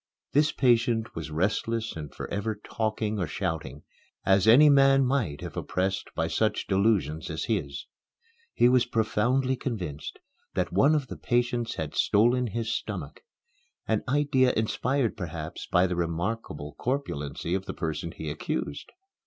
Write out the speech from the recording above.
This patient was restless and forever talking or shouting, as any man might if oppressed by such delusions as his. He was profoundly convinced that one of the patients had stolen his stomach an idea inspired perhaps by the remarkable corpulency of the person he accused.